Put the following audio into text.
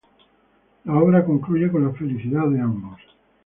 La obra concluye con la felicidad de ambos.